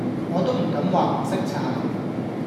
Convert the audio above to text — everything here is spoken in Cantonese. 我都唔敢話唔識踩